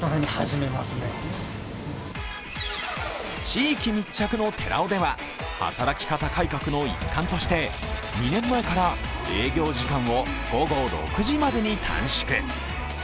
地域密着のてらおでは、働き方改革の一環として２年前から営業時間を午後６時までに短縮。